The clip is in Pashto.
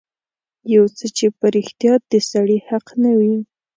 يو څه چې په رښتيا د سړي حق نه وي.